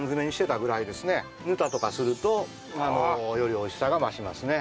ヌタとかするとより美味しさが増しますね。